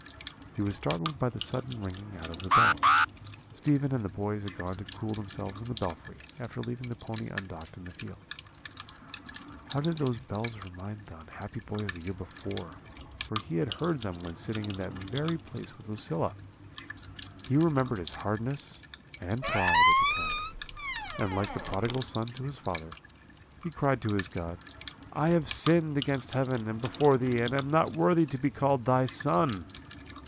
"He was startled by the sudden ringing out of the bells. Stephen and the boys had gone to cool themselves in the belfry, after leaving the pony undocked in the field. "How did those bells remind the unhappy boy of the year before, for he had heard them when sitting in that very place with Lucilla! He remembered his hardness and pride at that time, and like the Prodigal Son to his father, he cried to his God, 'I have sinned against heaven and before Thee, and am not worthy to be called Thy son.'